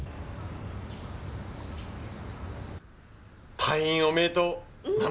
退院おめでとうママ。